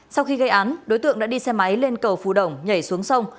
sau khi gây án đối tượng đã đi xe máy lên cầu phù đồng nhảy xuống sông